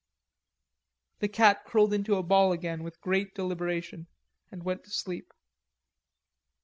The cat curled into a ball again with great deliberation and went to sleep.